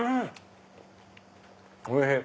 おいしい！